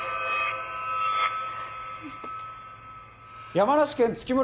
山梨県月村